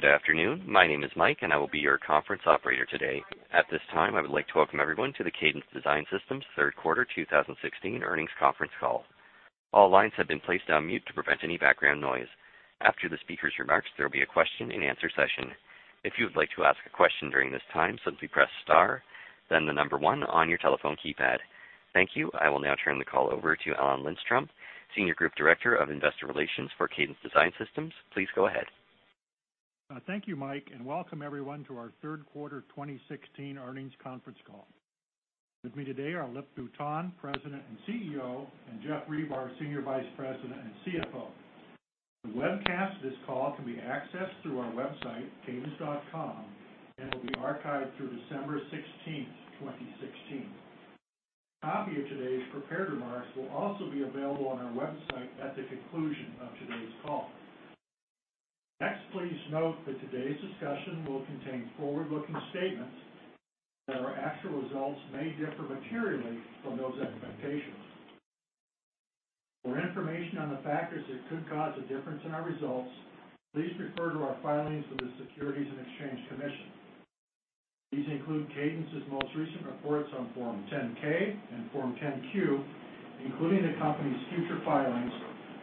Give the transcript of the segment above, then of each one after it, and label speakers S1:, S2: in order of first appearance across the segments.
S1: Good afternoon. My name is Mike, and I will be your conference operator today. At this time, I would like to welcome everyone to the Cadence Design Systems third quarter 2016 earnings conference call. All lines have been placed on mute to prevent any background noise. After the speaker's remarks, there will be a question and answer session. If you would like to ask a question during this time, simply press star then 1 on your telephone keypad. Thank you. I will now turn the call over to Alan Lindstrom, Senior Group Director of Investor Relations for Cadence Design Systems. Please go ahead.
S2: Thank you, Mike, and welcome everyone to our third quarter 2016 earnings conference call. With me today are Lip-Bu Tan, President and CEO, and Geoff Ribar, Senior Vice President and CFO. The webcast of this call can be accessed through our website, cadence.com, and will be archived through December 16th, 2016. A copy of today's prepared remarks will also be available on our website at the conclusion of today's call. Next, please note that today's discussion will contain forward-looking statements, that our actual results may differ materially from those expectations. For information on the factors that could cause a difference in our results, please refer to our filings with the Securities and Exchange Commission. These include Cadence's most recent reports on Form 10-K and Form 10-Q, including the company's future filings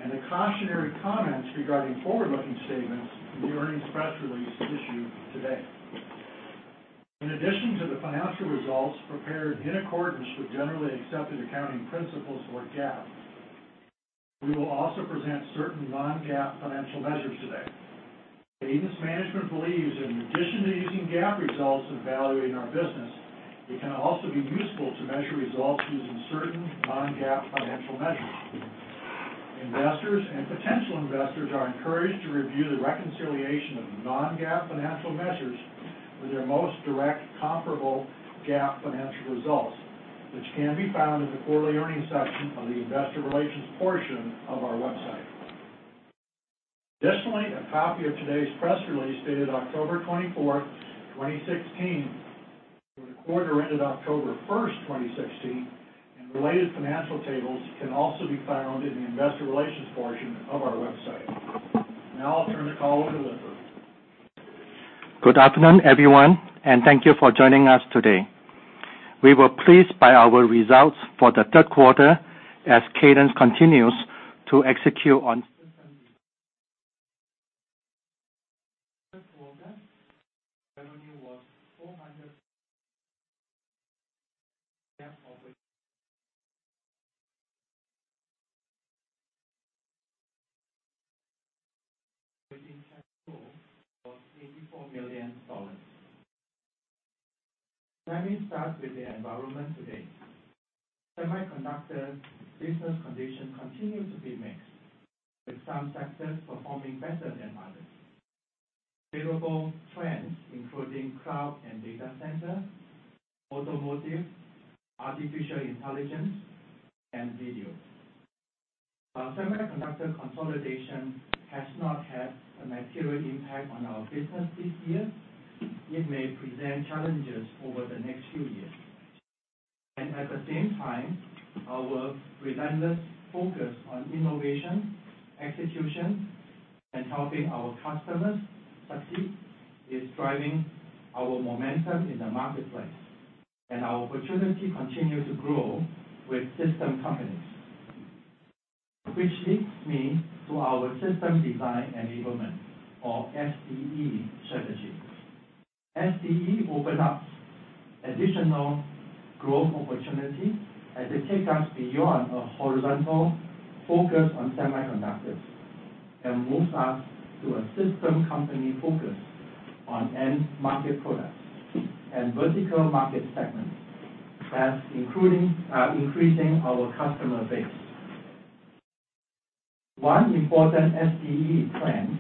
S2: and the cautionary comments regarding forward-looking statements in the earnings press release issued today. In addition to the financial results prepared in accordance with generally accepted accounting principles, or GAAP, we will also present certain non-GAAP financial measures today. Cadence management believes in addition to using GAAP results in evaluating our business, it can also be useful to measure results using certain non-GAAP financial measures. Investors and potential investors are encouraged to review the reconciliation of non-GAAP financial measures with their most direct comparable GAAP financial results, which can be found in the quarterly earnings section of the investor relations portion of our website. Additionally, a copy of today's press release, dated October 24th, 2016, for the quarter ended October 1st, 2016, and related financial tables can also be found in the investor relations portion of our website. Now I'll turn the call over to Lip-Bu.
S3: Good afternoon, everyone, and thank you for joining us today. We were pleased by our results for the third quarter as Cadence continues to execute on third quarter revenue was $446 million GAAP operating cash flow was $84 million. Let me start with the environment today. Semiconductor business conditions continue to be mixed, with some sectors performing better than others. Favorable trends including cloud and data center, automotive, artificial intelligence, and video. While semiconductor consolidation has not had a material impact on our business this year, it may present challenges over the next few years. At the same time, our relentless focus on innovation, execution, and helping our customers succeed is driving our momentum in the marketplace, and our opportunity continues to grow with system companies. Which leads me to our system design enablement, or SDE strategy. SDE open ups additional growth opportunities as it takes us beyond a horizontal focus on semiconductors and moves us to a system company focus on end market products and vertical market segments, thus increasing our customer base. One important SDE plan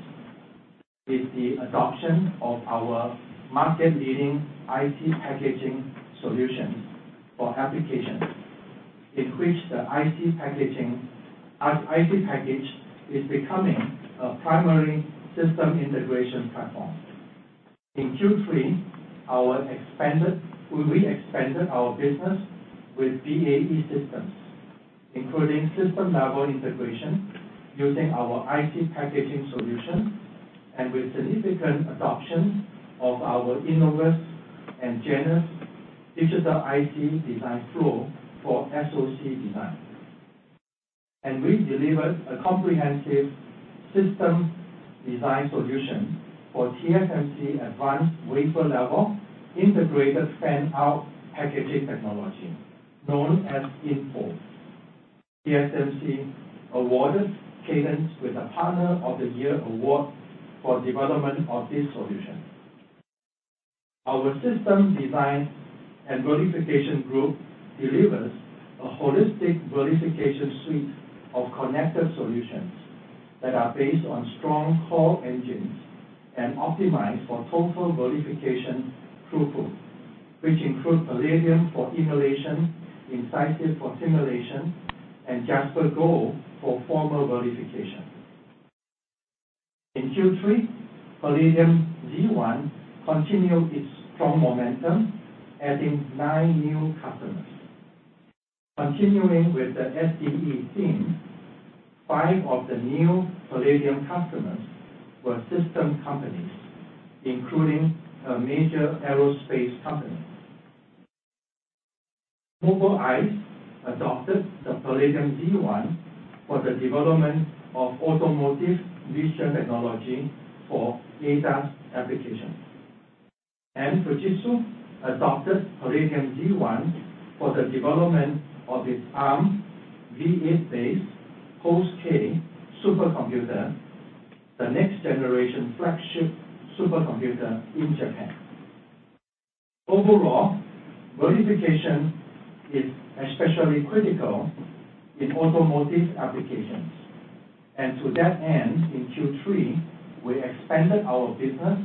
S3: is the adoption of our market-leading IC packaging solutions for applications in which the IC package is becoming a primary system integration platform. In Q3, we expanded our business with BAE Systems, including system-level integration using our IC packaging solution and with significant adoption of our Innovus and Genus digital IC design flow for SoC design. We delivered a comprehensive system design solution for TSMC advanced wafer level integrated fan-out packaging technology, known as InFO. TSMC awarded Cadence with a partner of the year award for development of this solution. Our system design and verification group delivers a holistic verification suite of connected solutions that are based on strong core engines and optimized for total verification throughput, which include Palladium for emulation, Incisive for simulation, and JasperGold for formal verification. In Q3, Palladium Z1 continued its strong momentum, adding nine new customers. Continuing with the SDE theme, five of the new Palladium customers were system companies, including a major aerospace company. Mobileye adopted the Palladium Z1 for the development of automotive vision technology for ADAS applications. Fujitsu adopted Palladium Z1 for the development of its ARMv8 based Post-K supercomputer, the next generation flagship supercomputer in Japan. Overall, verification is especially critical in automotive applications, and to that end, in Q3, we expanded our business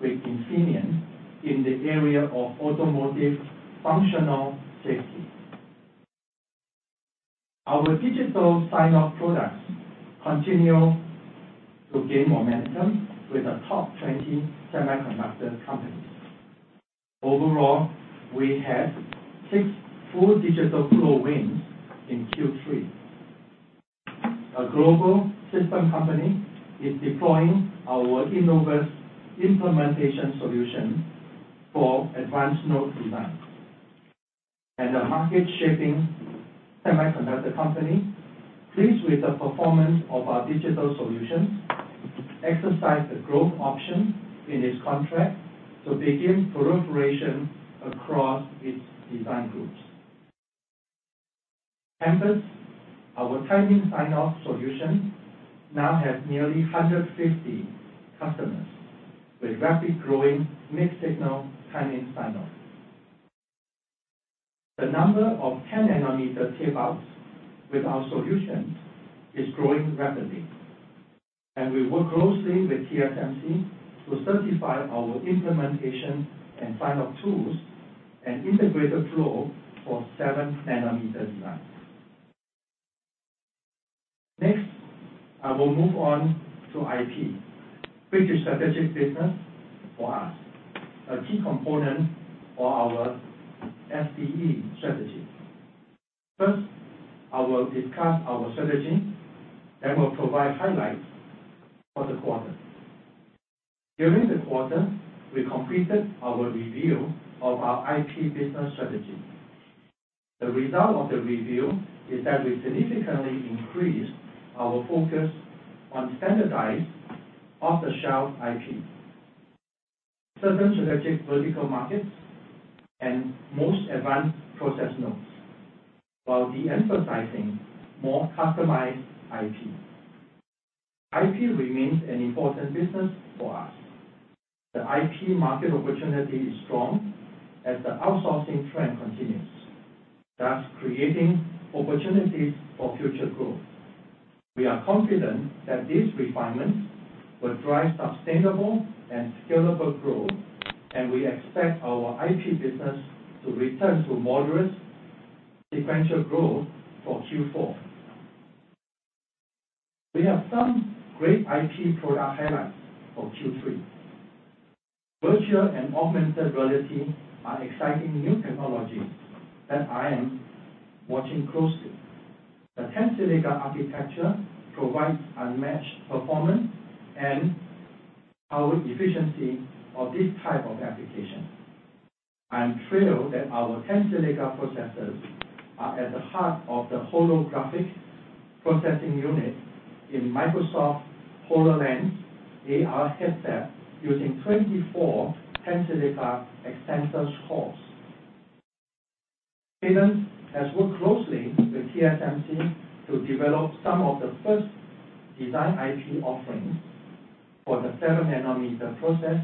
S3: with Infineon in the area of automotive functional safety. Our digital sign-off products continue to gain momentum with the top 20 semiconductor companies. Overall, we had six full digital flow wins in Q3. A global system company is deploying our Innovus implementation solution for advanced node designs. A market-shaping semiconductor company, pleased with the performance of our digital solutions, exercised the growth option in its contract to begin proliferation across its design groups. Tempus, our timing sign-off solution, now has nearly 150 customers, with rapidly growing mixed signal timing sign-off. The number of 10-nanometer tape outs with our solutions is growing rapidly, and we work closely with TSMC to certify our implementation and sign-off tools and integrated flow for seven-nanometer designs. Next, I will move on to IP, which is a strategic business for us, a key component for our SDE strategy. First, I will discuss our strategy, then will provide highlights for the quarter. During the quarter, we completed our review of our IP business strategy. The result of the review is that we significantly increased our focus on standardized, off-the-shelf IP. Certain strategic vertical markets and most advanced process nodes, while de-emphasizing more customized IP. IP remains an important business for us. The IP market opportunity is strong as the outsourcing trend continues, thus creating opportunities for future growth. We are confident that these refinements will drive sustainable and scalable growth, and we expect our IP business to return to moderate sequential growth for Q4. We have some great IP product highlights for Q3. Virtual and augmented reality are exciting new technologies that I am watching closely. The Tensilica architecture provides unmatched performance and power efficiency of this type of application. I am thrilled that our Tensilica processors are at the heart of the holographic processing unit in Microsoft HoloLens AR headset using 24 Tensilica Xtensa cores. Cadence has worked closely with TSMC to develop some of the first design IP offerings for the 7-nanometer process,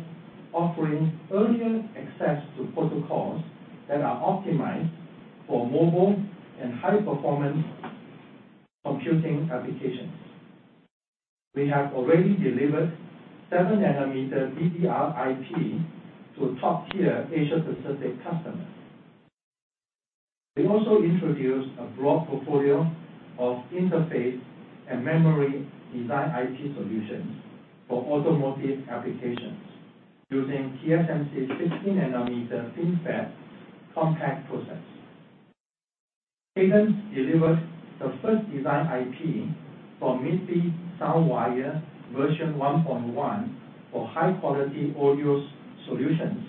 S3: offering earlier access to protocols that are optimized for mobile and high-performance computing applications. We have already delivered 7-nanometer DDR IP to top-tier Asia-Pacific customers. We also introduced a broad portfolio of interface and memory design IP solutions for automotive applications using TSMC's 16-nanometer FinFET contact process. Cadence delivered the first design IP for MIPI SoundWire version 1.1 for high-quality audio solutions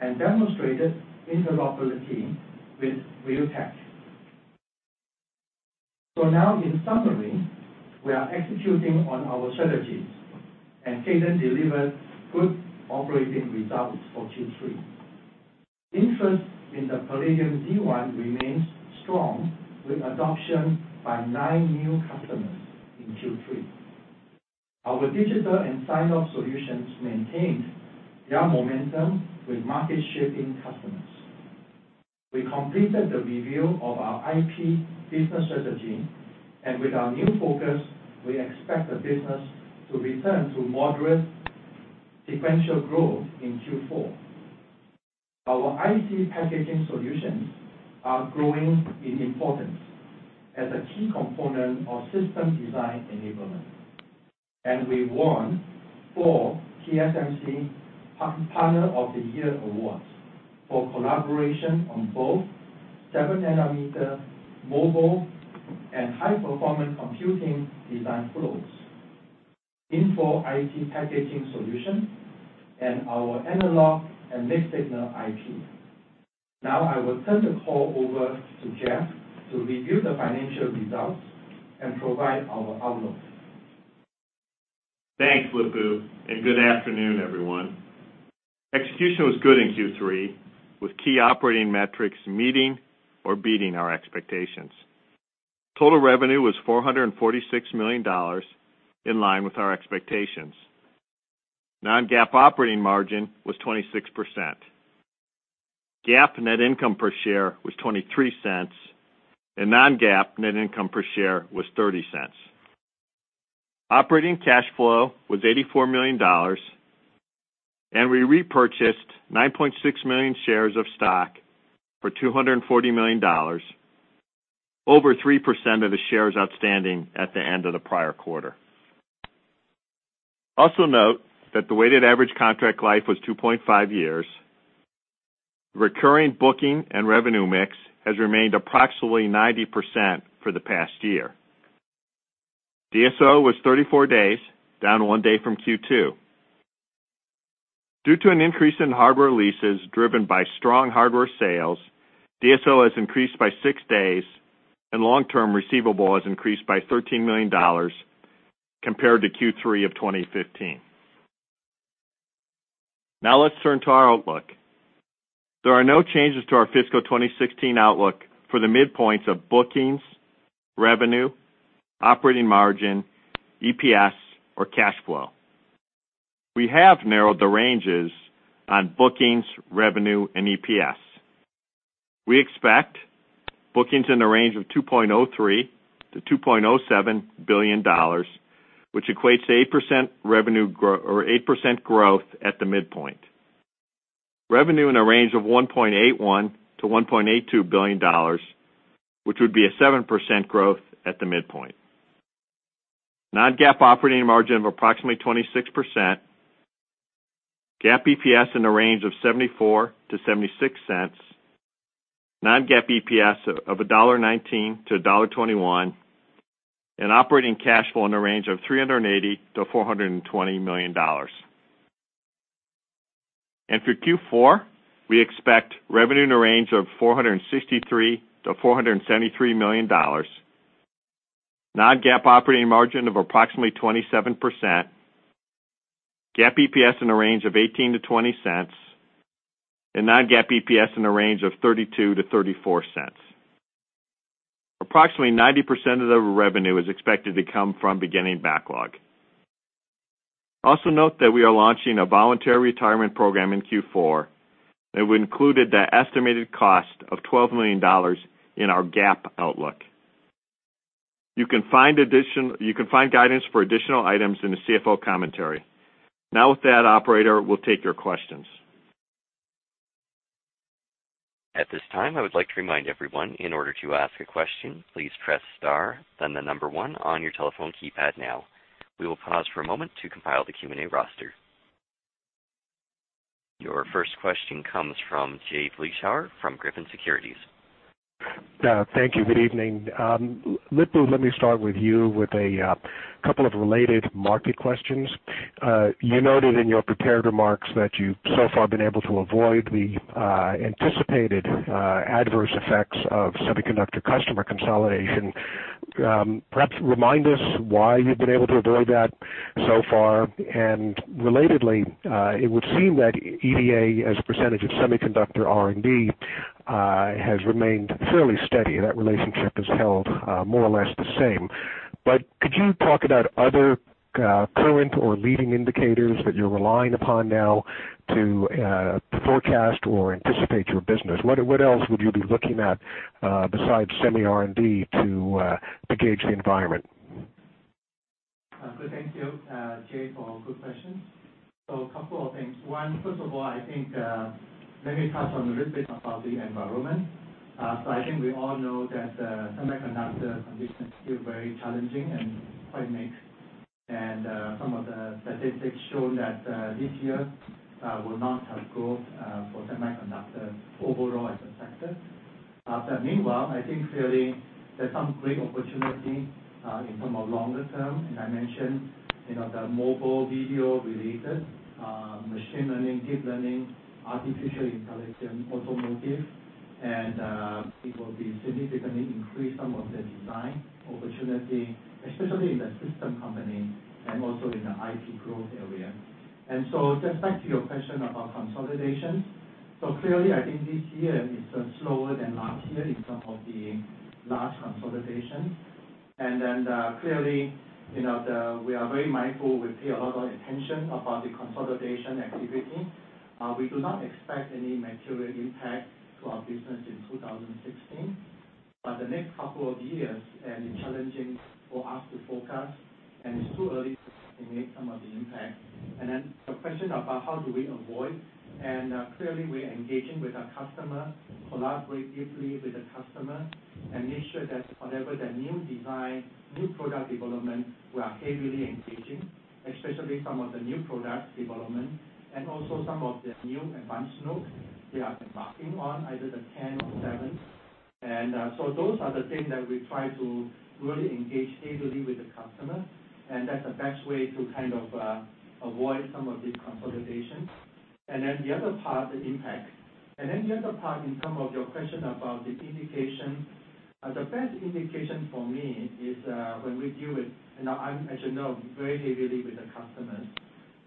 S3: and demonstrated interoperability with Realtek. Now in summary, we are executing on our strategies, Cadence delivered good operating results for Q3. Interest in the Palladium Z1 remains strong with adoption by nine new customers in Q3. Our digital and sign-off solutions maintained their momentum with market-shaping customers. We completed the review of our IP business strategy. With our new focus, we expect the business to return to moderate sequential growth in Q4. Our IC packaging solutions are growing in importance as a key component of system design enablement. We won four TSMC Partner of the Year Awards for collaboration on both 7-nanometer mobile and high-performance computing design flows, InFO IP packaging solution, and our analog and mixed-signal IP. Now I will turn the call over to Geoff to review the financial results and provide our outlook.
S4: Thanks, Lip-Bu. Good afternoon, everyone. Execution was good in Q3, with key operating metrics meeting or beating our expectations. Total revenue was $446 million, in line with our expectations. Non-GAAP operating margin was 26%. GAAP net income per share was $0.23, non-GAAP net income per share was $0.30. Operating cash flow was $84 million. We repurchased 9.6 million shares of stock for $240 million, over 3% of the shares outstanding at the end of the prior quarter. Also note that the weighted average contract life was 2.5 years. Recurring booking and revenue mix has remained approximately 90% for the past year. DSO was 34 days, down one day from Q2. Due to an increase in hardware leases driven by strong hardware sales, DSO has increased by six days. Long-term receivable has increased by $13 million compared to Q3 of 2015. Now let's turn to our outlook. There are no changes to our fiscal 2016 outlook for the midpoints of bookings, revenue, operating margin, EPS, or cash flow. We have narrowed the ranges on bookings, revenue, and EPS. We expect bookings in the range of $2.03 billion-$2.07 billion, which equates to 8% growth at the midpoint. Revenue in a range of $1.81 billion-$1.82 billion, which would be a 7% growth at the midpoint. Non-GAAP operating margin of approximately 26%, GAAP EPS in the range of $0.74-$0.76, non-GAAP EPS of $1.19-$1.21, and operating cash flow in the range of $380 million-$420 million. For Q4, we expect revenue in the range of $463 million-$473 million, non-GAAP operating margin of approximately 27%, GAAP EPS in the range of $0.18-$0.20. Non-GAAP EPS in the range of $0.32-$0.34. Approximately 90% of the revenue is expected to come from beginning backlog. Also note that we are launching a voluntary retirement program in Q4, and we included the estimated cost of $12 million in our GAAP outlook. You can find guidance for additional items in the CFO commentary. With that, operator, we'll take your questions.
S1: At this time, I would like to remind everyone, in order to ask a question, please press star, then 1 on your telephone keypad now. We will pause for a moment to compile the Q&A roster. Your first question comes from Jay Vleeschhouwer from Griffin Securities.
S5: Thank you. Good evening. Lip-Bu, let me start with you with a couple of related market questions. You noted in your prepared remarks that you've so far been able to avoid the anticipated adverse effects of semiconductor customer consolidation. Perhaps remind us why you've been able to avoid that so far, and relatedly, it would seem that EDA as a percentage of semiconductor R&D has remained fairly steady. That relationship has held more or less the same. Could you talk about other current or leading indicators that you're relying upon now to forecast or anticipate your business? What else would you be looking at besides semi R&D to gauge the environment?
S3: Thank you, Jay, for a good question. A couple of things. One, first of all, I think, let me touch on a little bit about the environment. I think we all know that semiconductor conditions feel very challenging and quite mixed, and some of the statistics show that this year will not have growth for semiconductors overall as a sector. Meanwhile, I think clearly there's some great opportunity in terms of longer term, and I mentioned the mobile, video-related, machine learning, deep learning, artificial intelligence, automotive, and it will be significantly increase some of the design opportunity, especially in the system company and also in the IP growth area. Just back to your question about consolidation. Clearly, I think this year is slower than last year in terms of the large consolidation. Clearly, we are very mindful. We pay a lot of attention about the consolidation activity. We do not expect any material impact to our business in 2016. The next couple of years, and challenging for us to forecast, and it's too early to make some of the impact. The question about how do we avoid, and clearly we're engaging with our customer, collaborate deeply with the customer, and make sure that whatever the new design, new product development, we are heavily engaging, especially some of the new product development and also some of the new advanced node they are embarking on, either the 10 or 7. Those are the things that we try to really engage heavily with the customer, and that's the best way to kind of avoid some of these consolidations. The other part, the impact. The other part in term of your question about the indication, the best indication for me is when we deal with, as you know, very heavily with the customers,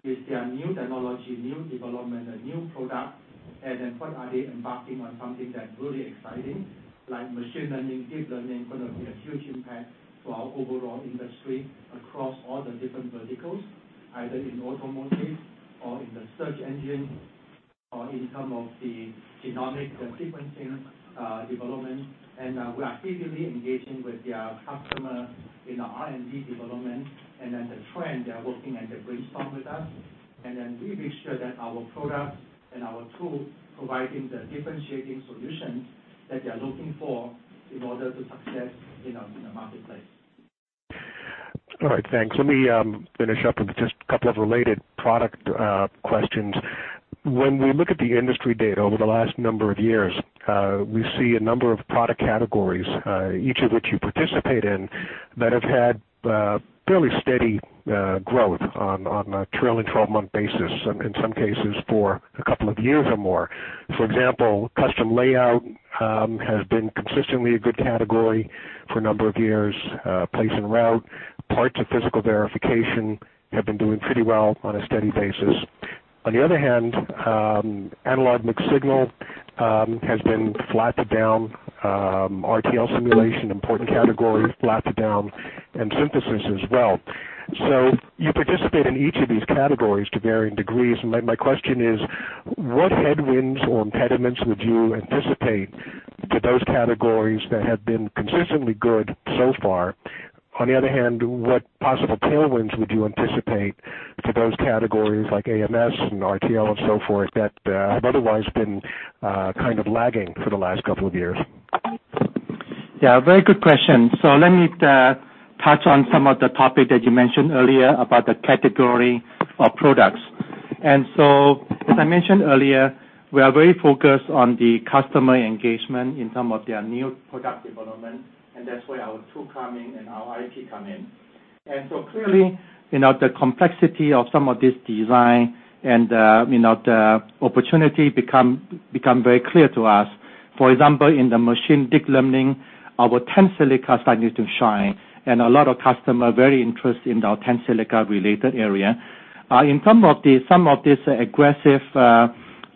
S3: is their new technology, new development, and new product, and then when are they embarking on something that's really exciting, like machine learning, deep learning going to be a huge impact to our overall industry across all the different verticals, either in automotive or in the search engine or in term of the genomic and sequencing development. We are actively engaging with their customer in our R&D development and then the trend, they are working and they brainstorm with us, and then we make sure that our product and our tool providing the differentiating solutions that they are looking for in order to succeed in the marketplace.
S5: All right. Thanks. Let me finish up with just a couple of related product questions. When we look at the industry data over the last number of years, we see a number of product categories, each of which you participate in, that have had fairly steady growth on a trailing 12-month basis, in some cases, for a couple of years or more. For example, custom layout has been consistently a good category for a number of years. Place and route, parts of physical verification have been doing pretty well on a steady basis. On the other hand, analog mixed signal has been flat to down. RTL simulation, important category, flat to down, and synthesis as well. You participate in each of these categories to varying degrees, and my question is, what headwinds or impediments would you anticipate to those categories that have been consistently good so far? On the other hand, what possible tailwinds would you anticipate to those categories like AMS and RTL and so forth that have otherwise been kind of lagging for the last couple of years?
S3: Very good question. Let me touch on some of the topics that you mentioned earlier about the category of products. As I mentioned earlier, we are very focused on the customer engagement in some of their new product development, and that's where our tool come in and our IP come in. Clearly, the complexity of some of this design and the opportunity become very clear to us. For example, in the machine deep learning, our Tensilica started to shine, and a lot of customers very interested in our Tensilica related area. In some of this aggressive,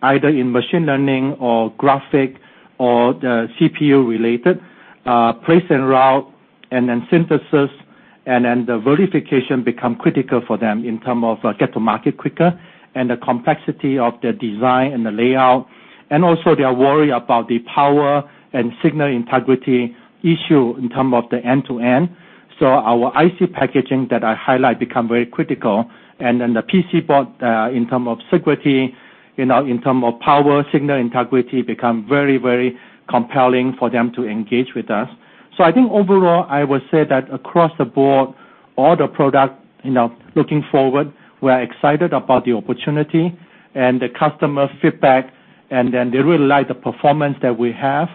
S3: either in machine learning or graphic or the CPU related, place and route, and then synthesis, and then the verification become critical for them in terms of get to market quicker and the complexity of the design and the layout. Also, they are worried about the power and signal integrity issue in terms of the end-to-end. Our IC packaging that I highlight become very critical. Then the PCB, in terms of security, in terms of power, signal integrity, become very compelling for them to engage with us. I think overall, I would say that across the board, all the products, looking forward, we are excited about the opportunity and the customer feedback, and then they really like the performance that we have.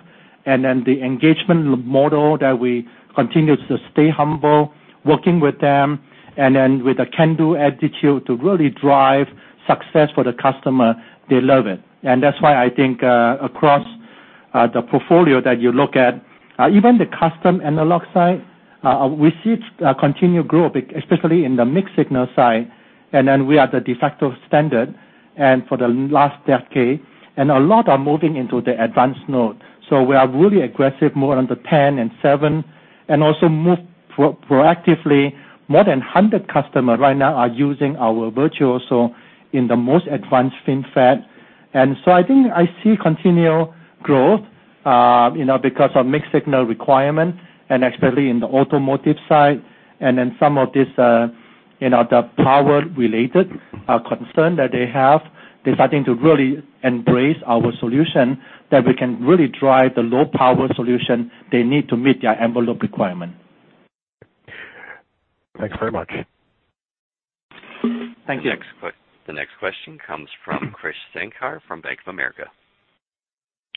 S3: The engagement model that we continue to stay humble, working with them, and then with a can-do attitude to really drive success for the customer, they love it. That's why I think, across the portfolio that you look at, even the custom analog side, we see it continue to grow, especially in the mixed-signal side. We are the de facto standard for the last decade, and a lot are moving into the advanced node. We are really aggressive, more on the 10 and 7, and also move proactively. More than 100 customers right now are using our Virtuoso in the most advanced FinFET. I think I see continual growth, because of mixed-signal requirement and especially in the automotive side. Some of this, the power related concern that they have, they're starting to really embrace our solution, that we can really drive the low-power solution they need to meet their envelope requirement.
S5: Thanks very much.
S3: Thank you.
S1: The next question comes from Krish Sankar from Bank of America.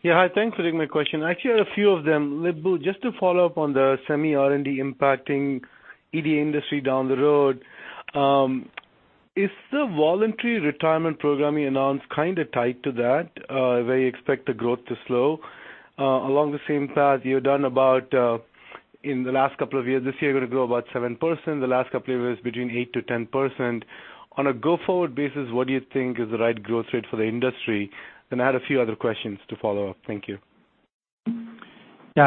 S6: Hi. Thanks for taking my question. Actually, I have a few of them. Lip-Bu, just to follow up on the semi R&D impacting EDA industry down the road, is the voluntary retirement program you announced kind of tied to that, where you expect the growth to slow? Along the same path you've done about, in the last couple of years, this year you're going to grow about 7%, the last couple of years between 8%-10%. On a go-forward basis, what do you think is the right growth rate for the industry? I had a few other questions to follow up. Thank you.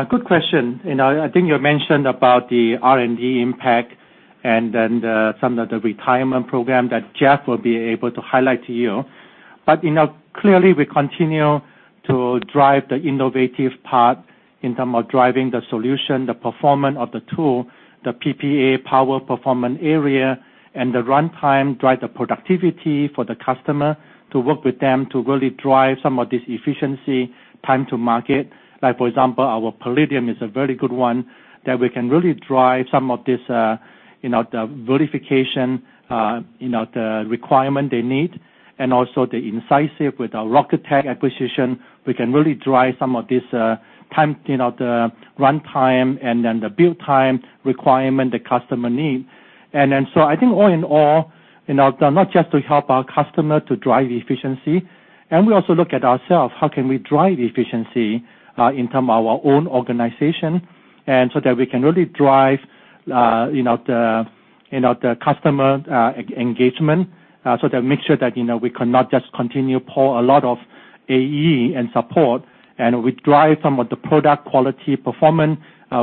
S3: Good question. I think you mentioned about the R&D impact and some of the retirement program that Geoff will be able to highlight to you. Clearly, we continue to drive the innovative part in term of driving the solution, the performance of the tool, the PPA, power performance area, and the runtime drive the productivity for the customer to work with them to really drive some of this efficiency time to market. For example, our Palladium is a very good one that we can really drive some of this, the verification, the requirement they need, and also the Incisive with our Rocketick acquisition, we can really drive some of this runtime and the build time requirement the customer need. I think all in all, not just to help our customer to drive efficiency, we also look at ourselves, how can we drive efficiency in terms of our own organization, so that we can really drive the customer engagement, so that make sure that we cannot just continue pour a lot of AE and support, we drive some of the product quality performance.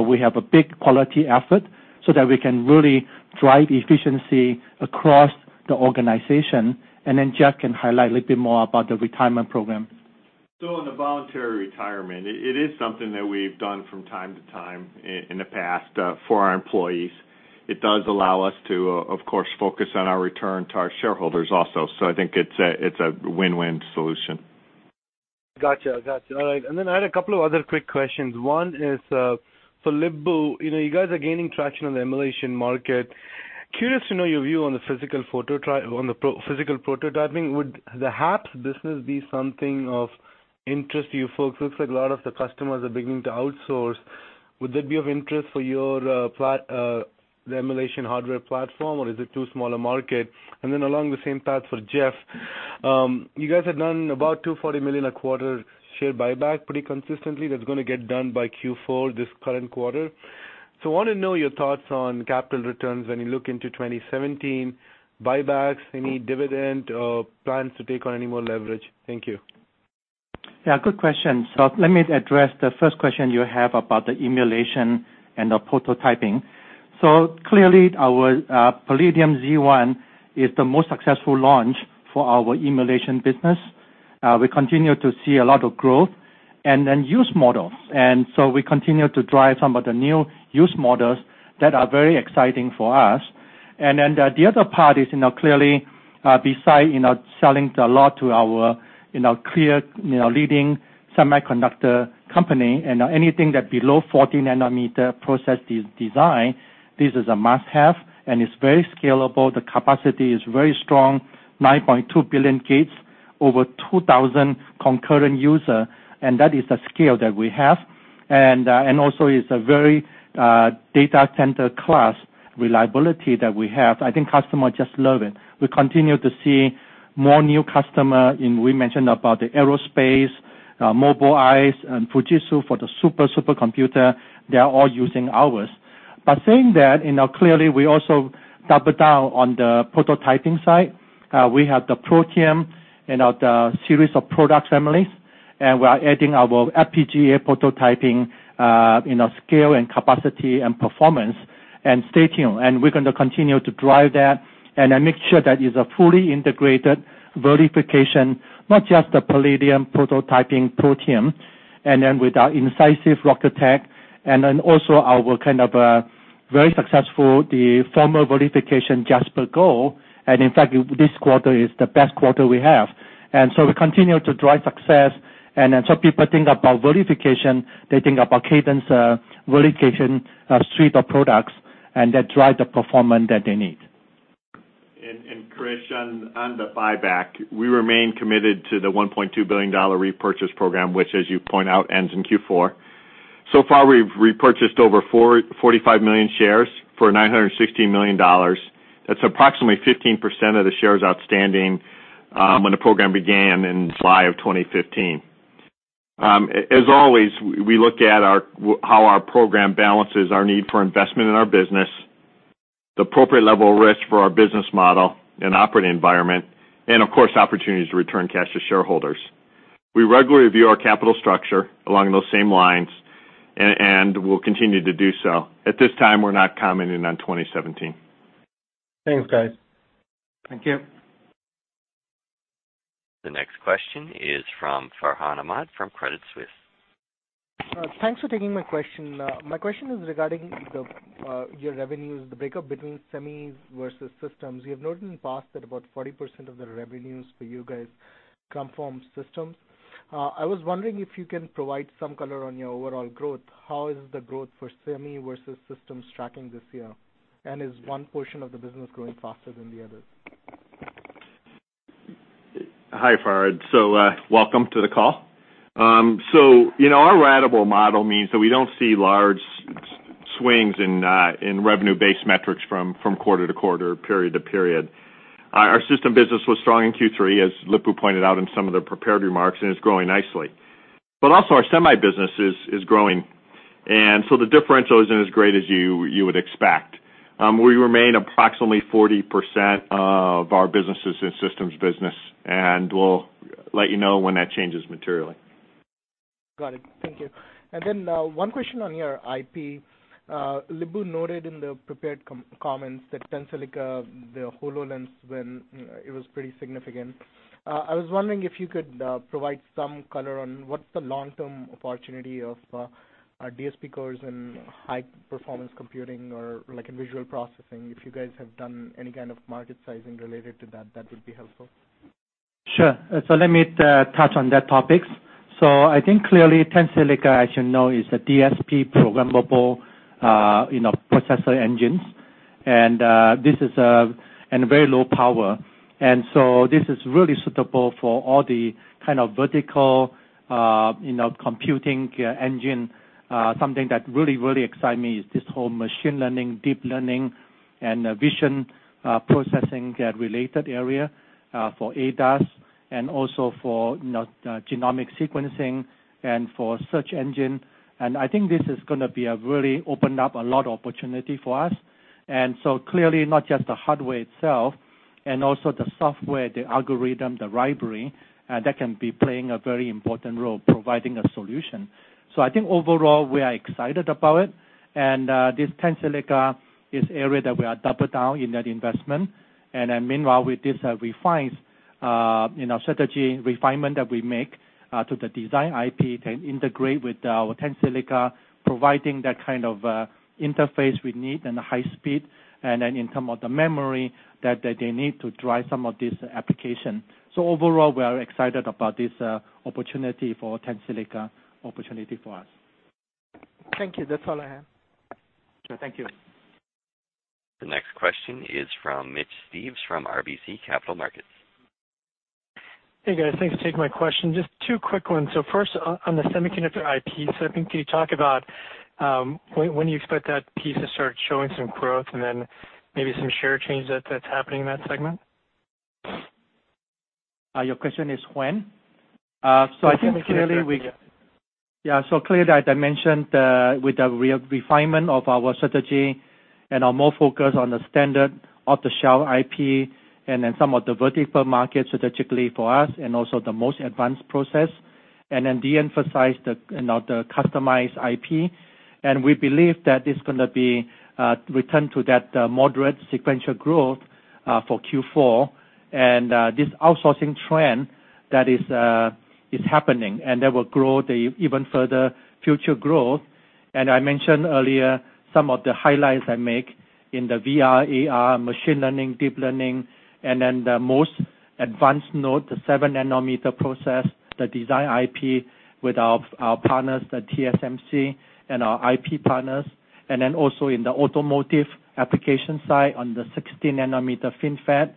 S3: We have a big quality effort so that we can really drive efficiency across the organization. Geoff can highlight a little bit more about the retirement program.
S4: On the voluntary retirement, it is something that we've done from time to time in the past for our employees. It does allow us to, of course, focus on our return to our shareholders also. I think it's a win-win solution.
S6: Got you. All right. I had a couple of other quick questions. One is for Lip-Bu. You guys are gaining traction on the emulation market. Curious to know your view on the physical prototyping. Would the HAPS business be something of interest to you folks? Looks like a lot of the customers are beginning to outsource. Would that be of interest for the emulation hardware platform, or is it too small a market? Along the same path for Geoff, you guys had done about $240 million a quarter share buyback pretty consistently. That's going to get done by Q4 this current quarter. I want to know your thoughts on capital returns when you look into 2017, buybacks, any dividend or plans to take on any more leverage. Thank you.
S3: Yeah, good question. Let me address the first question you have about the emulation and the prototyping. Clearly, our Palladium Z1 is the most successful launch for our emulation business. We continue to see a lot of growth and then use models. We continue to drive some of the new use models that are very exciting for us. The other part is clearly, beside selling a lot to our clear leading semiconductor company and anything that below 40 nanometer process design, this is a must-have, and it's very scalable. The capacity is very strong, 9.2 billion gates over 2,000 concurrent user, and that is the scale that we have. Also, it's a very datacenter-class reliability that we have. I think customer just love it. We continue to see more new customer, we mentioned about the Aerospace, Mobileye, and Fujitsu for the super computer. They are all using ours. Saying that, clearly we also double down on the prototyping side. We have the Protium and the series of product families, we are adding our FPGA prototyping scale and capacity and performance and stay tuned. We're going to continue to drive that and make sure that is a fully integrated verification, not just the Palladium prototyping Protium, then with our Incisive Rocketick, then also our very successful, the formal verification JasperGold. In fact, this quarter is the best quarter we have. So we continue to drive success. People think about verification, they think about Cadence verification suite of products, that drive the performance that they need.
S4: Krish, on the buyback, we remain committed to the $1.2 billion repurchase program, which as you point out, ends in Q4. So far, we've repurchased over 45 million shares for $916 million. That's approximately 15% of the shares outstanding when the program began in July of 2015. As always, we look at how our program balances our need for investment in our business, the appropriate level of risk for our business model and operating environment, of course, opportunities to return cash to shareholders. We regularly review our capital structure along those same lines, we'll continue to do so. At this time, we're not commenting on 2017.
S6: Thanks, guys.
S3: Thank you.
S1: The next question is from Farhan Ahmad from Credit Suisse.
S7: Thanks for taking my question. My question is regarding your revenues, the breakup between semis versus systems. You have noted in the past that about 40% of the revenues for you guys come from systems. I was wondering if you can provide some color on your overall growth. How is the growth for semi versus systems tracking this year? Is one portion of the business growing faster than the other?
S4: Hi, Farhan. Welcome to the call. Our ratable model means that we don't see large swings in revenue-based metrics from quarter to quarter, period to period. Our system business was strong in Q3, as Lip-Bu pointed out in some of the prepared remarks, is growing nicely. Also our semi business is growing, the differential isn't as great as you would expect. We remain approximately 40% of our businesses in systems business, and we'll let you know when that changes materially.
S7: Got it. Thank you. One question on your IP. Lip-Bu noted in the prepared comments that Tensilica, the HoloLens, when it was pretty significant. I was wondering if you could provide some color on what's the long-term opportunity of DSP cores in high-performance computing or visual processing. If you guys have done any kind of market sizing related to that would be helpful.
S3: Sure. Let me touch on that topic. I think clearly, Tensilica, as you know, is a DSP programmable processor engine, and very low power. This is really suitable for all the kind of vertical computing engine. Something that really excites me is this whole machine learning, deep learning, and vision processing related area for ADAS and also for genomic sequencing and for search engine. I think this is going to really open up a lot of opportunity for us. Clearly, not just the hardware itself and also the software, the algorithm, the library, that can be playing a very important role providing a solution. I think overall, we are excited about it. This Tensilica is an area that we are doubling down in that investment. Meanwhile, with this strategy refinement that we make to the design IP can integrate with our Tensilica, providing that kind of interface we need and the high speed and then in terms of the memory that they need to drive some of this application. Overall, we are excited about this opportunity for Tensilica, opportunity for us.
S7: Thank you. That's all I have.
S3: Sure. Thank you.
S1: The next question is from Mitch Steves from RBC Capital Markets.
S8: Hey, guys. Thanks for taking my question. Just two quick ones. First, on the semiconductor IP segment, can you talk about when you expect that piece to start showing some growth and then maybe some share change that's happening in that segment?
S3: Your question is when? I think clearly Yeah. Clearly, as I mentioned, with the refinement of our strategy and our more focus on the standard off-the-shelf IP and then some of the vertical markets strategically for us and also the most advanced process, then de-emphasize the customized IP. We believe that it's going to be returned to that moderate sequential growth for Q4. This outsourcing trend that is happening, that will grow the even further future growth. I mentioned earlier some of the highlights I make in the VR, AR, machine learning, deep learning, and then the most advanced node, the seven nanometer process, the design IP with our partners at TSMC and our IP partners. Also in the automotive application side on the 16 nanometer FinFET,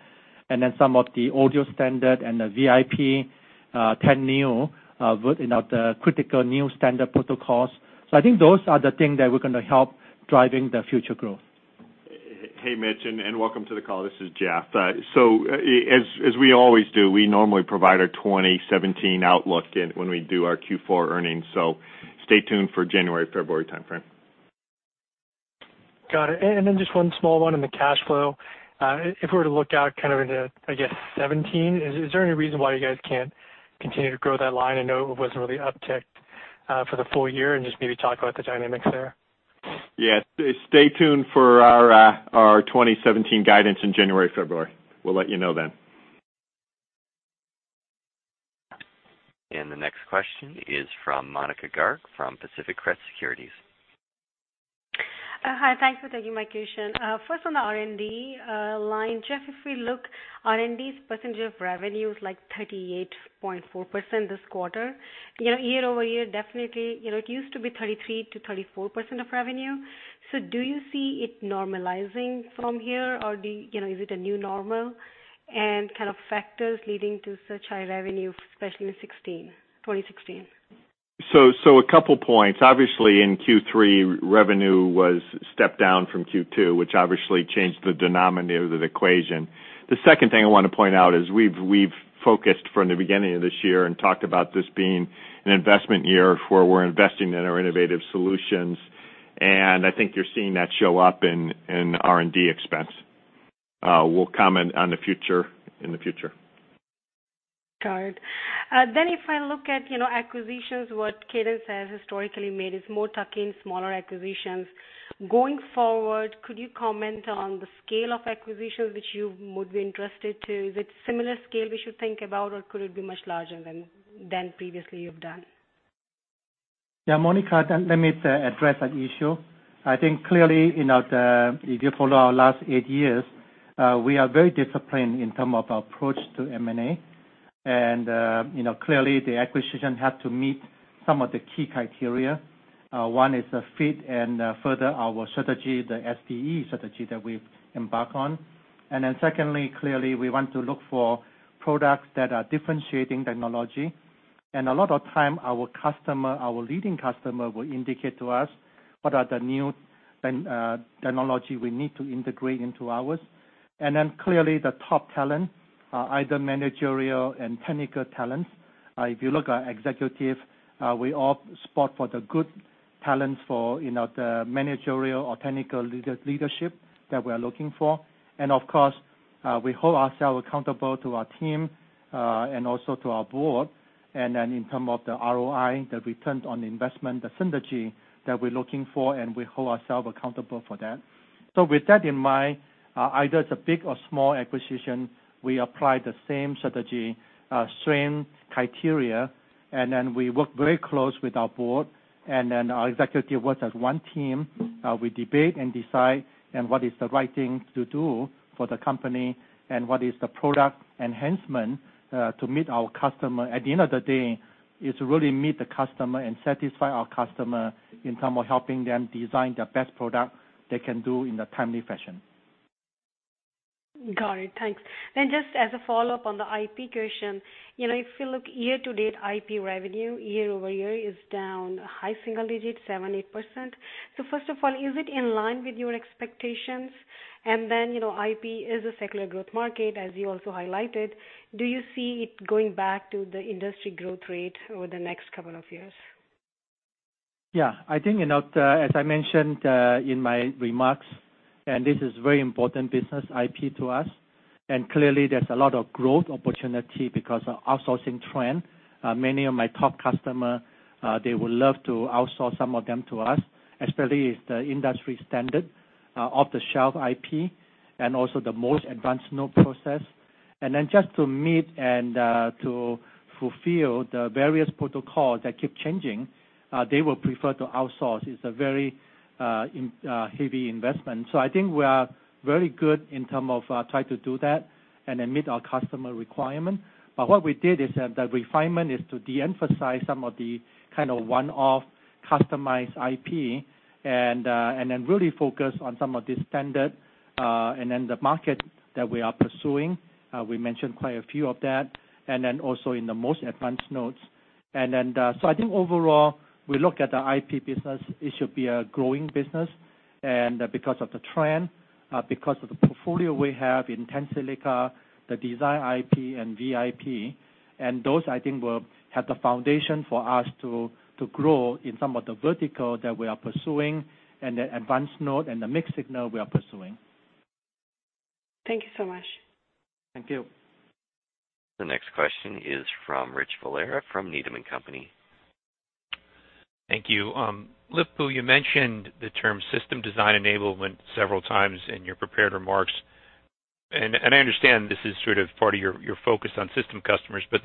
S3: some of the audio standard and the VIP, the critical new standard protocols. I think those are the things that we're going to help driving the future growth.
S4: Hey, Mitch, welcome to the call. This is Geoff. As we always do, we normally provide our 2017 outlook when we do our Q4 earnings, stay tuned for January, February timeframe.
S8: Got it. Just one small one on the cash flow. If we were to look out kind of into, I guess, 2017, is there any reason why you guys can't continue to grow that line? I know it wasn't really upticked for the full year and just maybe talk about the dynamics there.
S4: Yeah. Stay tuned for our 2017 guidance in January, February. We'll let you know then.
S1: The next question is from Monika Garg from Pacific Crest Securities.
S9: Hi, thanks for taking my question. First on the R&D line, Geoff, if we look, R&D's percentage of revenue is like 38.4% this quarter. Year-over-year, definitely, it used to be 33%-34% of revenue. Do you see it normalizing from here, or is it a new normal? Kind of factors leading to such high revenue, especially in 2016?
S4: A couple of points. Obviously, in Q3, revenue was stepped down from Q2, which obviously changed the denominator of the equation. The second thing I want to point out is we've focused from the beginning of this year and talked about this being an investment year, where we're investing in our innovative solutions. I think you're seeing that show up in R&D expense. We'll comment on the future in the future.
S9: Got it. If I look at acquisitions, what Cadence has historically made is more tuck-in, smaller acquisitions. Going forward, could you comment on the scale of acquisitions which you would be interested to? Is it similar scale we should think about, or could it be much larger than previously you've done?
S3: Yeah, Monika, let me address that issue. I think clearly, if you follow our last eight years, we are very disciplined in terms of approach to M&A. Clearly, the acquisition had to meet some of the key criteria. One is the fit and further our strategy, the SDE strategy that we've embarked on. Secondly, clearly, we want to look for products that are differentiating technology. A lot of time, our leading customer will indicate to us what are the new technology we need to integrate into ours. Clearly, the top talent, either managerial and technical talents. If you look at executive, we all spot for the good talents for the managerial or technical leadership that we are looking for. Of course, we hold ourselves accountable to our team, and also to our board. In terms of the ROI, the return on investment, the synergy that we're looking for, and we hold ourselves accountable for that. With that in mind, whether it's a big or small acquisition, we apply the same strategy, same criteria, we work very close with our board, and our executive works as one team. We debate and decide what is the right thing to do for the company, and what is the product enhancement, to meet our customer. At the end of the day, it's really meet the customer and satisfy our customer in terms of helping them design the best product they can do in a timely fashion.
S9: Got it. Thanks. Just as a follow-up on the IP question. If you look year-to-date, IP revenue year-over-year is down high single digits, 7%-8%. First of all, is it in line with your expectations? IP is a secular growth market, as you also highlighted. Do you see it going back to the industry growth rate over the next couple of years?
S3: Yeah. I think as I mentioned in my remarks, this is very important business IP to us. Clearly there's a lot of growth opportunity because of outsourcing trend. Many of my top customers, they would love to outsource some of them to us, especially if the industry standard, off-the-shelf IP and also the most advanced node process. Just to meet and to fulfill the various protocols that keep changing, they will prefer to outsource. It's a very heavy investment. I think we are very good in terms of trying to do that and meet our customer requirements. What we did is that the refinement is to de-emphasize some of the kind of one-off customized IP and really focus on some of the standard, and the market that we are pursuing. We mentioned quite a few of that. Also in the most advanced nodes. I think overall, we look at the IP business, it should be a growing business and because of the trend, because of the portfolio we have in Tensilica, the design IP, and VIP. Those I think will have the foundation for us to grow in some of the verticals that we are pursuing and the advanced nodes and the mixed-signal we are pursuing.
S9: Thank you so much.
S3: Thank you.
S1: The next question is from Rich Valera, from Needham and Company.
S10: Thank you. Lip-Bu, you mentioned the term system design enablement several times in your prepared remarks. I understand this is sort of part of your focus on system customers, is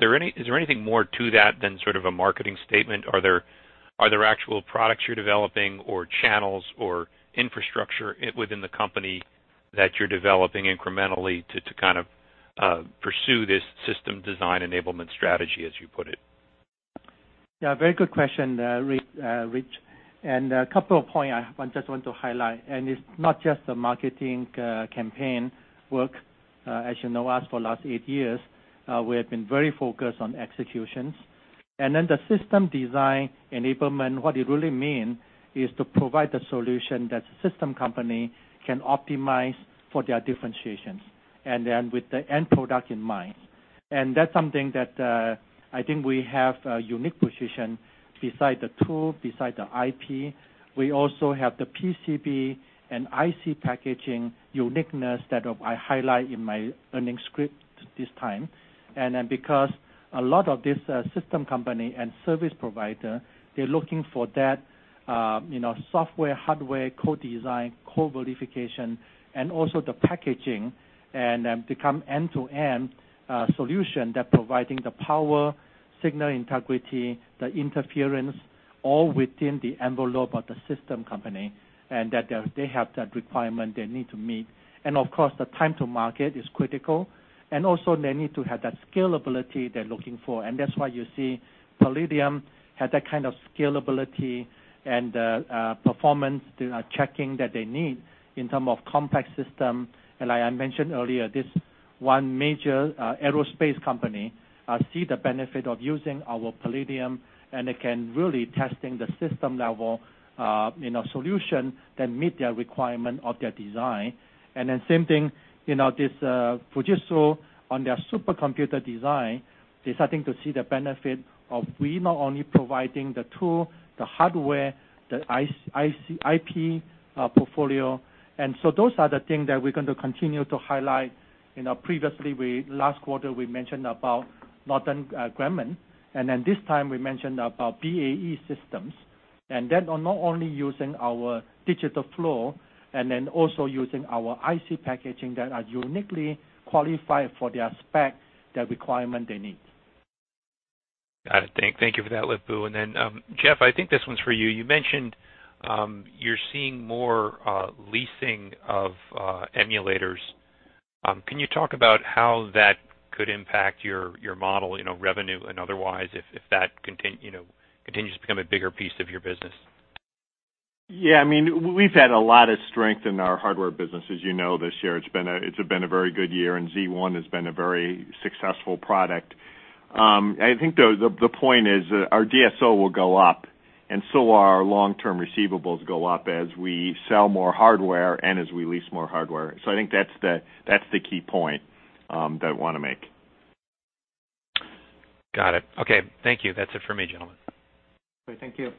S10: there anything more to that than sort of a marketing statement? Are there actual products you're developing or channels or infrastructure within the company that you're developing incrementally to kind of pursue this system design enablement strategy, as you put it?
S3: Yeah. Very good question, Rich. A couple of point I just want to highlight, it's not just the marketing campaign work. As you know us for last eight years, we have been very focused on executions. The system design enablement, what it really mean is to provide the solution that system company can optimize for their differentiations with the end product in mind. That's something that, I think we have a unique position beside the tool, beside the IP. We also have the PCB and IC packaging uniqueness that I highlight in my earnings script this time. Because a lot of this system company and service provider, they're looking for that software, hardware, co-design, co-verification, also the packaging, become end-to-end solution that providing the power, signal integrity, the interference, all within the envelope of the system company that they have that requirement they need to meet. Of course, the time to market is critical, they need to have that scalability they're looking for. That's why you see Palladium has that kind of scalability and performance checking that they need in term of compact system. Like I mentioned earlier, this one major aerospace company see the benefit of using our Palladium, they can really testing the system level solution that meet their requirement of their design. Same thing, this Fujitsu on their supercomputer design, they starting to see the benefit of we not only providing the tool, the hardware, the IP portfolio. Those are the things that we're going to continue to highlight. Previously, last quarter we mentioned about Northrop Grumman, this time we mentioned about BAE Systems. On not only using our digital flow also using our IC packaging that are uniquely qualified for their spec, the requirement they need.
S10: Got it. Thank you for that, Lip-Bu. Geoff, I think this one's for you. You mentioned, you're seeing more leasing of emulators. Can you talk about how that could impact your model, revenue and otherwise if that continues to become a bigger piece of your business?
S4: Yeah, we've had a lot of strength in our hardware business, as you know, this year. It's been a very good year. Z1 has been a very successful product. I think the point is our DSO will go up. Our long-term receivables go up as we sell more hardware and as we lease more hardware. I think that's the key point that I want to make.
S10: Got it. Okay. Thank you. That's it for me, gentlemen.
S3: Okay, thank you.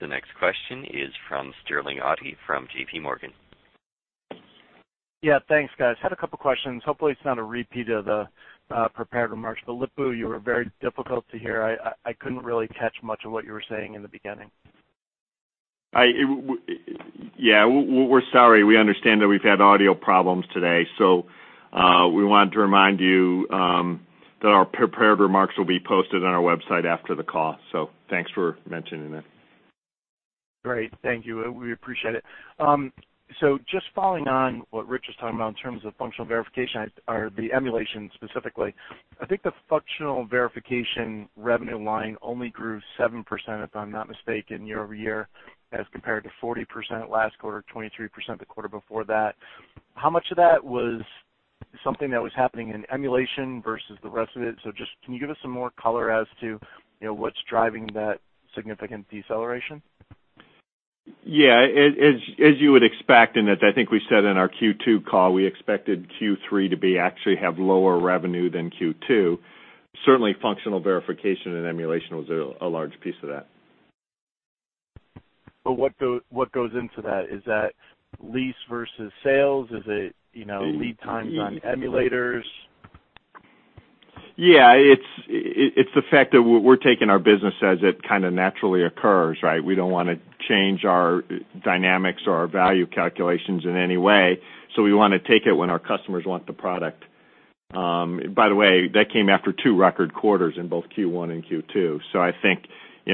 S1: The next question is from Sterling Auty from JP Morgan.
S11: Thanks, guys. Had a couple questions. Hopefully it's not a repeat of the prepared remarks, but Lip-Bu, you were very difficult to hear. I couldn't really catch much of what you were saying in the beginning.
S4: We're sorry. We understand that we've had audio problems today. We wanted to remind you that our prepared remarks will be posted on our website after the call. Thanks for mentioning it.
S11: Great. Thank you. We appreciate it. Just following on what Rich was talking about in terms of functional verification or the emulation specifically, I think the functional verification revenue line only grew 7%, if I'm not mistaken, year-over-year, as compared to 40% last quarter, 23% the quarter before that. How much of that was something that was happening in emulation versus the rest of it? Just can you give us some more color as to what's driving that significant deceleration?
S4: As you would expect, as I think we said in our Q2 call, we expected Q3 to actually have lower revenue than Q2. Certainly, functional verification and emulation was a large piece of that.
S11: What goes into that? Is that lease versus sales? Is it lead times on emulators?
S4: Yeah. It's the fact that we're taking our business as it kind of naturally occurs, right? We don't want to change our dynamics or our value calculations in any way. We want to take it when our customers want the product. By the way, that came after two record quarters in both Q1 and Q2. I think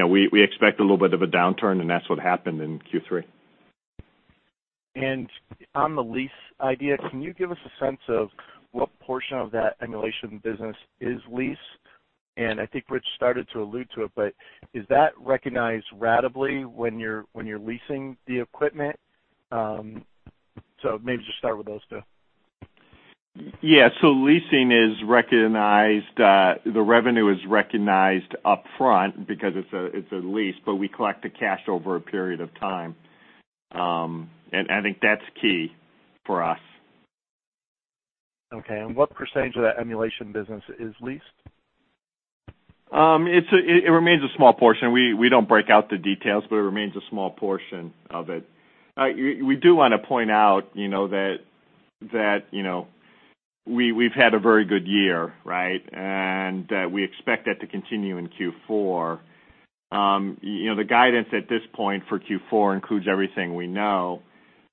S4: we expect a little bit of a downturn, and that's what happened in Q3.
S11: On the lease idea, can you give us a sense of what portion of that emulation business is leased? I think Rich started to allude to it, is that recognized ratably when you're leasing the equipment? Maybe just start with those two.
S4: Yeah. Leasing is recognized, the revenue is recognized upfront because it's a lease, but we collect the cash over a period of time. I think that's key for us.
S11: Okay, what % of that emulation business is leased?
S4: It remains a small portion. We don't break out the details, it remains a small portion of it. We do want to point out that we've had a very good year, right? We expect that to continue in Q4. The guidance at this point for Q4 includes everything we know.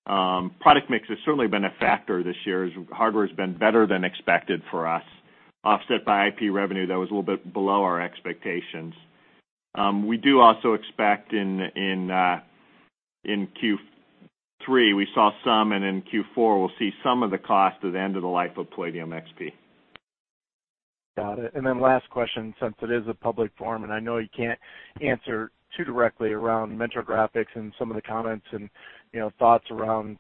S4: Product mix has certainly been a factor this year, as hardware's been better than expected for us, offset by IP revenue that was a little bit below our expectations. We do also expect in Q3, we saw some, in Q4, we'll see some of the cost of the end of the life of Palladium XP.
S11: Got it. Last question, since it is a public forum, I know you can't answer too directly around Mentor Graphics and some of the comments and thoughts around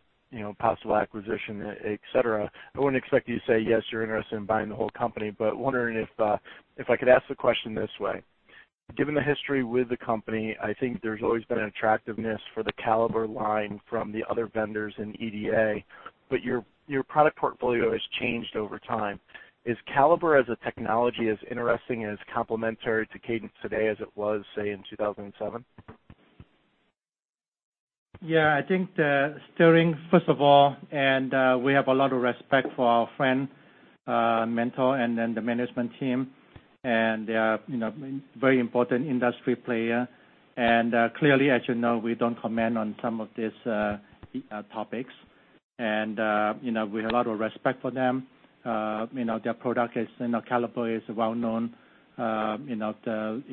S11: possible acquisition, et cetera. I wouldn't expect you to say, yes, you're interested in buying the whole company, wondering if I could ask the question this way. Given the history with the company, I think there's always been an attractiveness for the Calibre line from the other vendors in EDA, your product portfolio has changed over time. Is Calibre as a technology as interesting and as complementary to Cadence today as it was, say, in 2007?
S3: Yeah, I think, Sterling, first of all, we have a lot of respect for our friend, Mentor, the management team, they are very important industry player. Clearly, as you know, we don't comment on some of these topics. We have a lot of respect for them. Their product, Calibre, is well-known in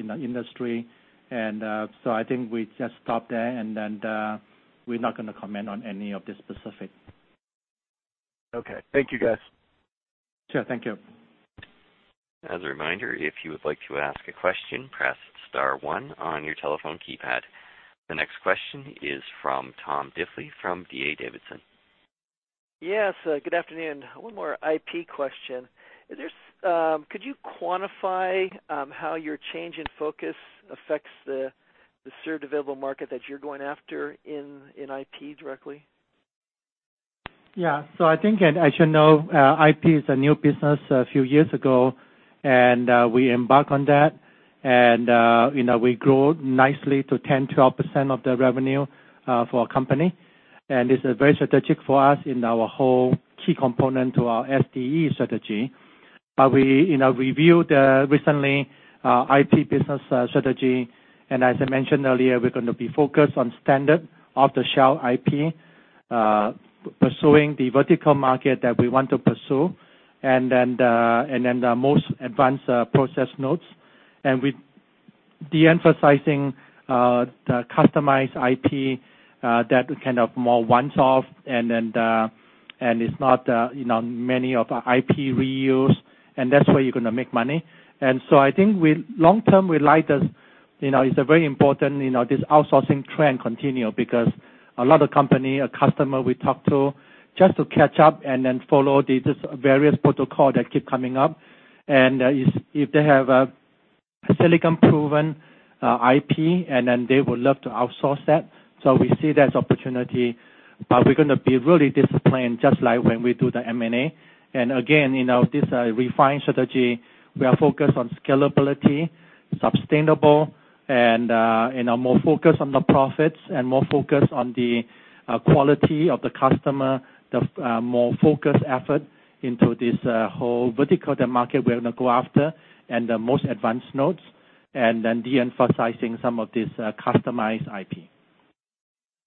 S3: the industry. I think we just stop there, we're not going to comment on any of the specific.
S11: Okay. Thank you, guys.
S3: Sure. Thank you.
S1: As a reminder, if you would like to ask a question, press star one on your telephone keypad. The next question is from Tom Diffely from D.A. Davidson.
S12: Yes. Good afternoon. One more IP question. Could you quantify how your change in focus affects the served available market that you're going after in IP directly?
S3: I think, as you know, IP is a new business a few years ago, and we embark on that, and we grow nicely to 10%-12% of the revenue for our company. This is very strategic for us in our whole key component to our SDE strategy. We reviewed recently IP business strategy, as I mentioned earlier, we're going to be focused on standard off-the-shelf IP, pursuing the vertical market that we want to pursue, and then the most advanced process nodes. We de-emphasizing the customized IP that kind of more once-off and it's not many of IP reuse, and that's where you're going to make money. I think long term, we like this. This outsourcing trend continue because a lot of company, a customer we talk to just to catch up and then follow these various protocol that keep coming up. If they have a silicon-proven IP, and then they would love to outsource that. We see that opportunity, but we're going to be really disciplined, just like when we do the M&A. Again, this refined strategy, we are focused on scalability, sustainable, and more focused on the profits and more focused on the quality of the customer, the more focused effort into this whole vertical market we're going to go after and the most advanced nodes, and then de-emphasizing some of this customized IP.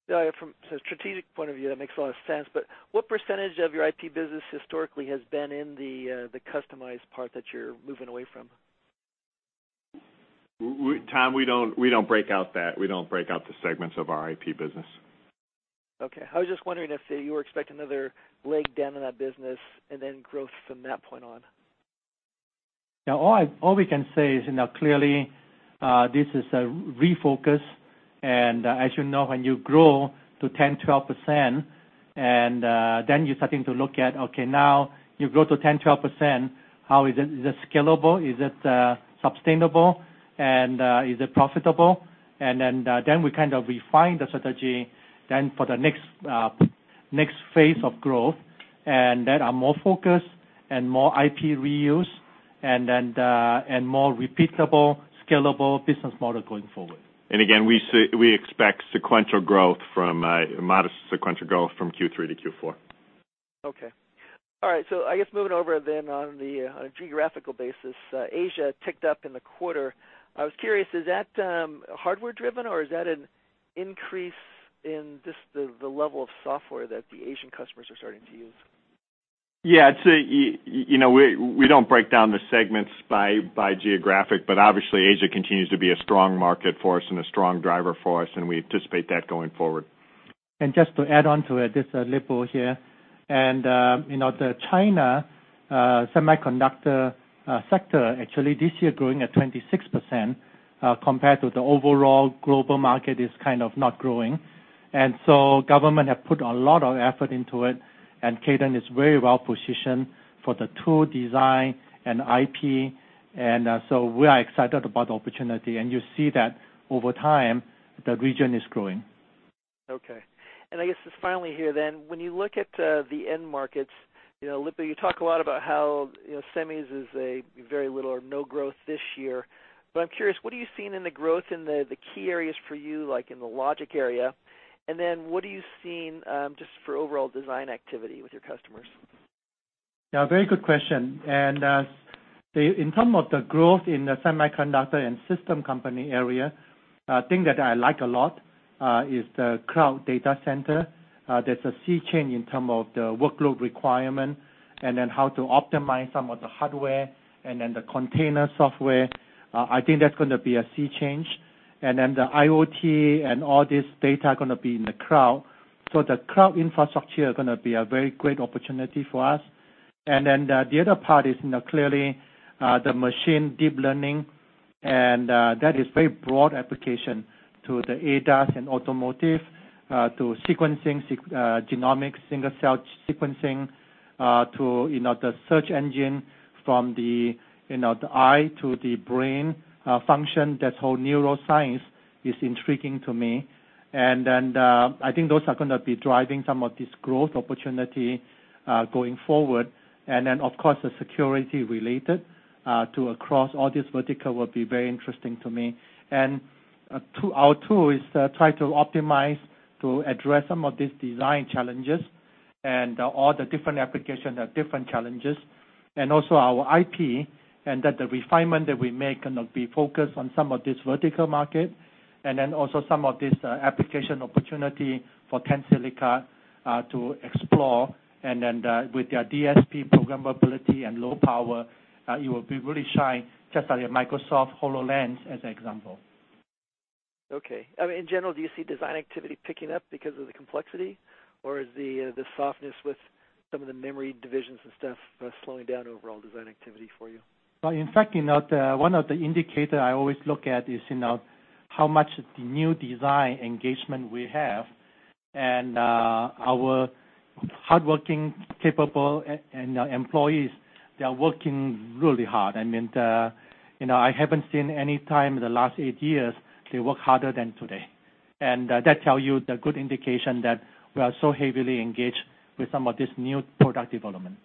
S12: From a strategic point of view, that makes a lot of sense. What percentage of your IP business historically has been in the customized part that you're moving away from?
S4: Tom, we don't break out that. We don't break out the segments of our IP business.
S12: Okay. I was just wondering if you were expecting another leg down in that business and then growth from that point on.
S3: All we can say is, clearly, this is a refocus. As you know, when you grow to 10%, 12%, then you are starting to look at, okay, now you grow to 10%, 12%, how is it? Is it scalable? Is it sustainable? Is it profitable? Then we kind of refine the strategy then for the next phase of growth, that are more focused and more IP reuse and more repeatable, scalable business model going forward.
S4: Again, we expect modest sequential growth from Q3 to Q4.
S12: Okay. All right. I guess moving over then on a geographical basis, Asia ticked up in the quarter. I was curious, is that hardware-driven, or is that an increase in just the level of software that the Asian customers are starting to use?
S4: Yeah. We don't break down the segments by geographic, but obviously Asia continues to be a strong market for us and a strong driver for us, and we anticipate that going forward.
S3: Just to add on to it, this is Lip-Bu here. The China semiconductor sector, actually this year growing at 26% compared to the overall global market is kind of not growing. Government have put a lot of effort into it, and Cadence is very well-positioned for the tool design and IP. We are excited about the opportunity. You see that over time, the region is growing.
S12: Okay. I guess just finally here, when you look at the end markets, Lip-Bu, you talk a lot about how semis is a very little or no growth this year. I'm curious, what are you seeing in the growth in the key areas for you, like in the logic area? What are you seeing just for overall design activity with your customers?
S3: Yeah. Very good question. In term of the growth in the semiconductor and system company area, thing that I like a lot is the cloud data center. There's a sea change in term of the workload requirement and then how to optimize some of the hardware and then the container software. I think that's going to be a sea change. The IoT and all this data are going to be in the cloud. The cloud infrastructure are going to be a very great opportunity for us. The other part is clearly the machine deep learning, and that is very broad application to the ADAS and automotive, to sequencing, genomics, single-cell sequencing, to the search engine from the eye to the brain function. That whole neuroscience is intriguing to me. I think those are going to be driving some of this growth opportunity going forward. Of course, the security related to across all this vertical will be very interesting to me. Our tool is try to optimize to address some of these design challenges and all the different application have different challenges. Also our IP and that the refinement that we make going to be focused on some of this vertical market, also some of this application opportunity for Tensilica to explore. With their DSP programmability and low power, it will be really shine just like a Microsoft HoloLens as an example.
S12: Okay. In general, do you see design activity picking up because of the complexity, or is the softness with some of the memory divisions and stuff slowing down overall design activity for you?
S3: In fact, one of the indicator I always look at is how much new design engagement we have, and our hardworking, capable employees, they are working really hard. I haven't seen any time in the last eight years they work harder than today. That tell you the good indication that we are so heavily engaged with some of this new product development.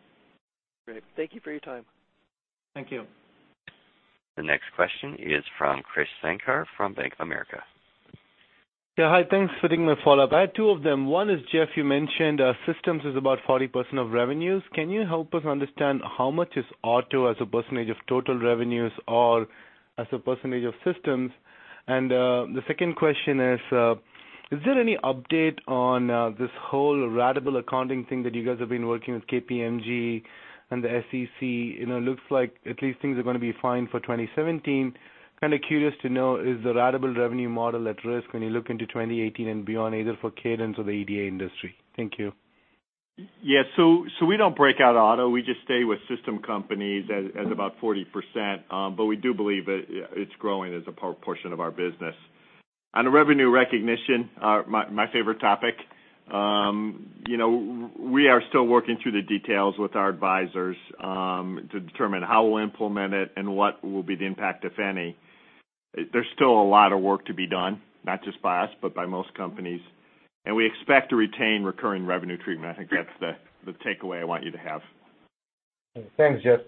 S12: Great. Thank you for your time.
S3: Thank you.
S1: The next question is from Krish Sankar from Bank of America.
S6: Yeah. Hi. Thanks for taking my follow-up. I have two of them. One is, Geoff, you mentioned systems is about 40% of revenues. Can you help us understand how much is auto as a percentage of total revenues or as a percentage of systems? And the second question is there any update on this whole ratable accounting thing that you guys have been working with KPMG and the SEC? It looks like at least things are going to be fine for 2017. Kind of curious to know, is the ratable revenue model at risk when you look into 2018 and beyond, either for Cadence or the EDA industry? Thank you.
S4: Yeah. We don't break out auto. We just stay with system companies as about 40%, but we do believe it's growing as a portion of our business. On the revenue recognition, my favorite topic. We are still working through the details with our advisors, to determine how we'll implement it and what will be the impact, if any. There's still a lot of work to be done, not just by us, but by most companies, and we expect to retain recurring revenue treatment. I think that's the takeaway I want you to have.
S3: Thanks, Geoff.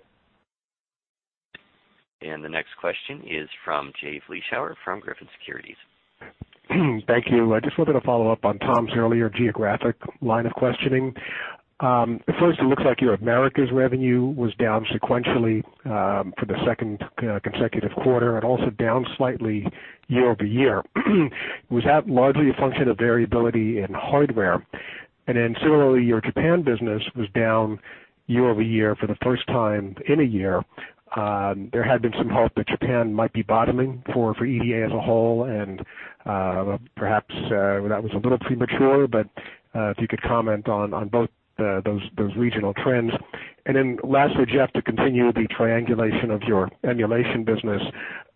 S1: The next question is from Jay Vleeschhouwer from Griffin Securities.
S5: Thank you. I just wanted to follow up on Tom's earlier geographic line of questioning. First, it looks like your Americas revenue was down sequentially, for the second consecutive quarter and also down slightly year-over-year. Was that largely a function of variability in hardware? Similarly, your Japan business was down year-over-year for the first time in a year. There had been some hope that Japan might be bottoming for EDA as a whole and, perhaps, that was a little premature, but, if you could comment on both those regional trends. Lastly, Geoff, to continue the triangulation of your emulation business,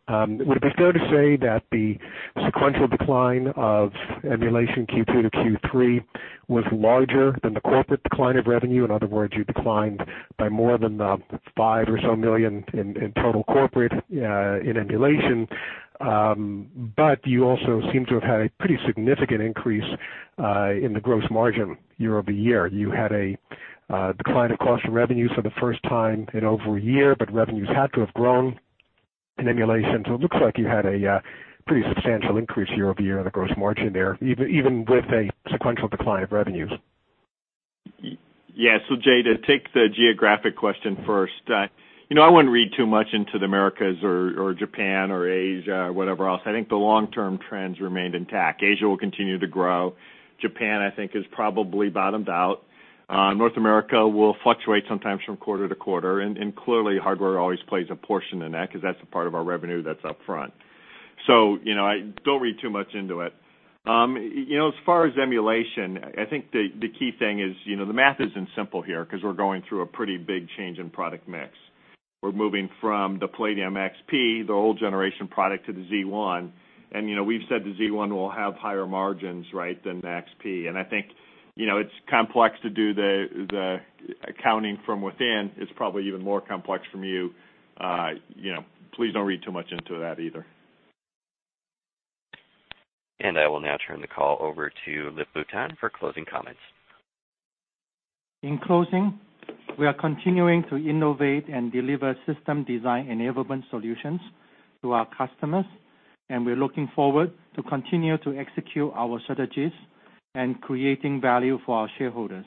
S5: would it be fair to say that the sequential decline of emulation Q2 to Q3 was larger than the corporate decline of revenue? In other words, you declined by more than the five or so million in total corporate, in emulation. You also seem to have had a pretty significant increase, in the gross margin year-over-year. You had a decline of cost of revenue for the first time in over a year, but revenues had to have grown in emulation. It looks like you had a pretty substantial increase year-over-year on the gross margin there, even with a sequential decline of revenues.
S4: Yeah. Jay, to take the geographic question first. I wouldn't read too much into the Americas or Japan or Asia or whatever else. I think the long-term trends remained intact. Asia will continue to grow. Japan, I think, has probably bottomed out. North America will fluctuate sometimes from quarter to quarter, and clearly hardware always plays a portion in that because that's the part of our revenue that's upfront. I don't read too much into it. As far as emulation, I think the key thing is, the math isn't simple here because we're going through a pretty big change in product mix. We're moving from the Palladium XP, the old generation product, to the Z1, and we've said the Z1 will have higher margins, right, than the XP. I think it's complex to do the accounting from within. It's probably even more complex from you. Please don't read too much into that either.
S1: I will now turn the call over to Lip-Bu Tan for closing comments.
S3: In closing, we are continuing to innovate and deliver system design enablement solutions to our customers, and we're looking forward to continue to execute our strategies and creating value for our shareholders.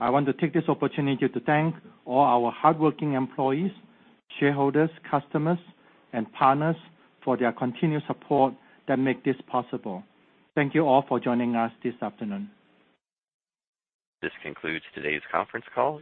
S3: I want to take this opportunity to thank all our hardworking employees, shareholders, customers, and partners for their continued support that make this possible. Thank you all for joining us this afternoon.
S1: This concludes today's conference call.